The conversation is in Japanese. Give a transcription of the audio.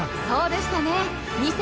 そうでしたね